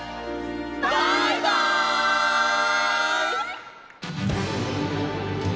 バイバイ！